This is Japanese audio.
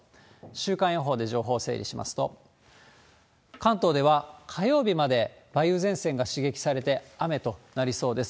週間予報で情報を整理しますと、関東では、火曜日まで梅雨前線が刺激されて雨となりそうです。